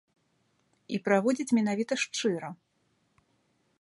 І праводзіць менавіта шчыра.